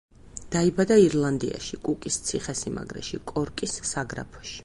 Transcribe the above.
დაიბადა ირლანდიაში, კუკის ციხესიმაგრეში, კორკის საგრაფოში.